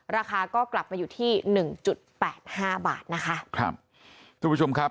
ราคาก็กลับมาอยู่ที่หนึ่งจุดแปดห้าบาทนะคะครับทุกผู้ชมครับ